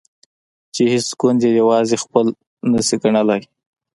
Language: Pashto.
چې هیڅ ګوند یې یوازې خپل نشي ګڼلای.